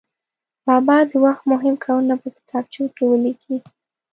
بابا د وخت مهم کارونه په کتابچو کې ولیکي.